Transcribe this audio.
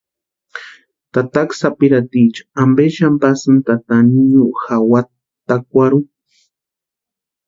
¿Tataka sapirhaticha ampe xani pasïni tata niño jawatakwarhu?